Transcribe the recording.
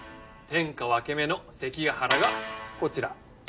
天下分け目の関ケ原がこちら。